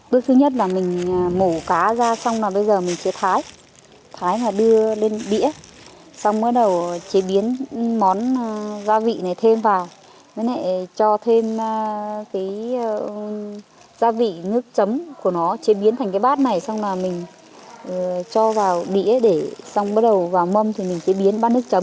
bước thứ nhất là mình mổ cá ra xong là bây giờ mình sẽ thái thái là đưa lên đĩa xong mới đầu chế biến món gia vị này thêm vào cho thêm gia vị nước chấm của nó chế biến thành cái bát này xong là mình cho vào đĩa để xong bắt đầu vào mâm thì mình chế biến bát nước chấm